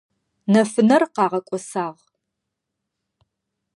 Нэфынэр къагъэкIосагъ.